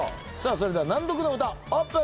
それでは難読のふたオープン。